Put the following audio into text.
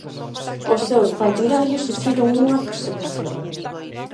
Os seus partidarios sufriron unha persecución.